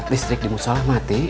listrik di musola mati